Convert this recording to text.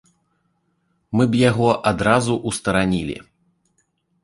Мы б яго адразу ўстаранілі.